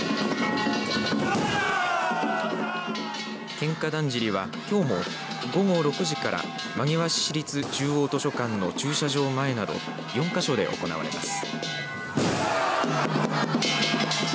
喧嘩だんじりは、きょうも午後６時から真庭市立中央図書館の駐車場前など４か所で行われます。